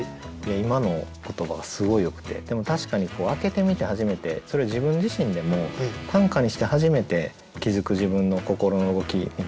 今の言葉がすごいよくてでも確かに開けてみて初めてそれ自分自身でも短歌にして初めて気づく自分の心の動きみたいなのもあるので。